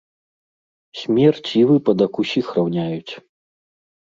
Смерць і выпадак усіх раўняюць.